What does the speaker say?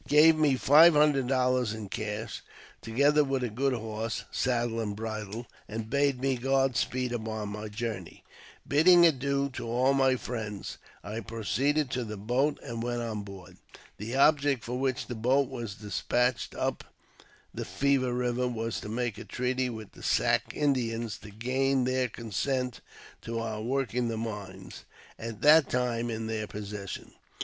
BECKWOUBTH, 35 me five hundred dollars in cash, together with a good horse, saddle, and bridle, and bade me God speed upon my journey. Bidding adieu to all my friends, I proceeded to the boat and went on board. The object for which the boat was despatched up the Fever Eiver was to make a treaty with the Sac Indians, to gain their consent to our working the mines, at that time in their possession.